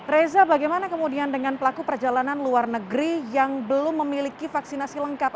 reza bagaimana kemudian dengan pelaku perjalanan luar negeri yang belum memiliki vaksinasi lengkap